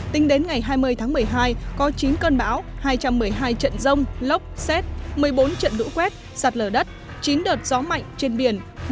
tính đến ngày hai mươi tháng một mươi hai có chín cơn bão hai trăm một mươi hai trận rông lốc xét một mươi bốn trận lũ quét sạt lở đất chín đợt gió mạnh trên biển